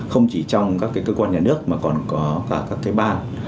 không chỉ trong các cơ quan nhà nước mà còn có cả các ban